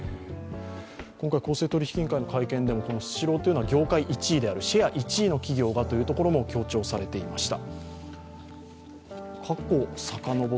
今回、公正取引委員会の会見でもスシローは業界１位である、シェア１位であるというところも強調されていました。